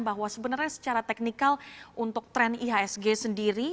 bahwa sebenarnya secara teknikal untuk tren ihsg sendiri